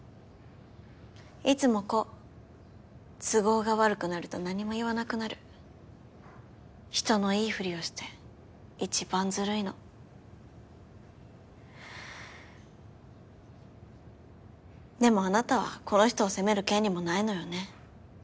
いつもこう都合が悪くなると何も言わなくなる人のいいふりをして一番ずるいのでもあなたはこの人を責める権利もないのよね